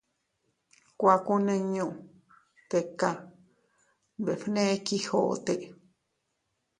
—Kuakunniñu tika —nbefne Quijote—.